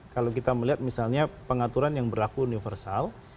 kalau kita melihat misalnya pengaturan yang berlaku universal